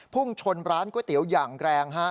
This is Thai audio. พุ่งชนร้านก๋วยเตี๋ยวอย่างแรง